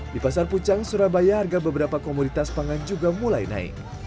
di pasar pucang surabaya harga beberapa komoditas pangan juga mulai naik